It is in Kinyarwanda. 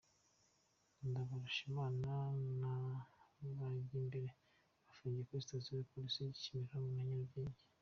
Ndabarushimana na Bajyimbere bafungiwe kuri sitasiyo ya Polisi ya Kimironko na Nyarugenge.